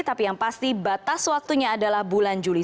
tapi yang pasti batas waktunya adalah bulan juli